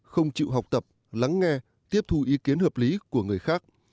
không chịu học tập lắng nghe tiếp thu ý kiến hợp lý của người khác